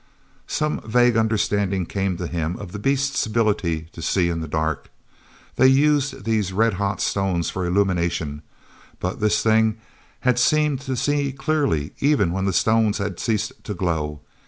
Some vague understanding came to him of the beast's ability to see in the dark. They used these red hot stones for illumination, but this thing had seemed to see clearly even when the stones had ceased to glow.